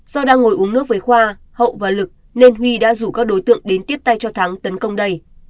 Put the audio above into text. do đang ngồi uống nước với khoa hậu và lực nên huy đã rủ các đối tượng đến tiếp tay cho thắng tấn công đây